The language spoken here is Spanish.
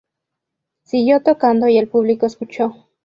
Siguió tocando y el público escuchó.